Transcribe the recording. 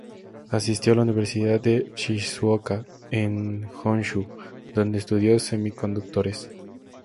Asistió a la Universidad de Shizuoka, en Honshu, donde estudió semiconductores.